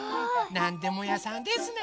なんでもやさんですね。